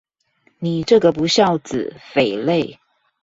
你這個不肖子、匪類